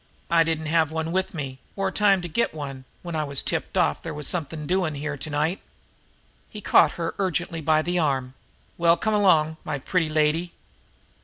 "I didn't have one with me, or time to get one, when I got tipped off there was something doing here to night." He caught her ungently by the arm. "Well, come along, my pretty lady!